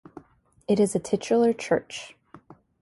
It is a titular church.